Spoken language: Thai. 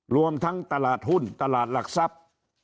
รวมทั้งตลาดหุ้นตลาดหลักทรัพย์